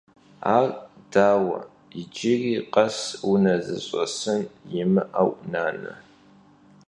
Ar daue, yicıri khes vune zış'esın yimı'eui, nane?